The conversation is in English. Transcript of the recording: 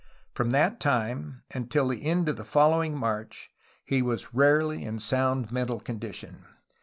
From that time until the end of the following March he was rarely in sound mental condition.